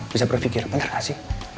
bisa berpikir bener gak sih